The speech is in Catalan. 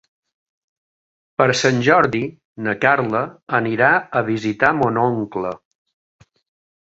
Per Sant Jordi na Carla anirà a visitar mon oncle.